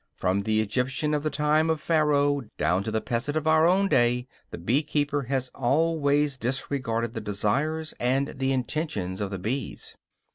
From the Egyptian of the time of Pharaoh down to the peasant of our own day the bee keeper has always disregarded the desires and the intentions of the bees.